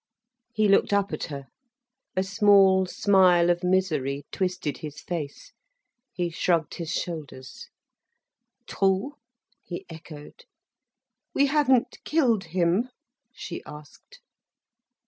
He looked up at her. A small smile of misery twisted his face. He shrugged his shoulders. "True?" he echoed. "We haven't killed him?" she asked.